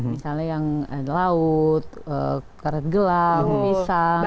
misalnya yang ada laut keret gelap bisang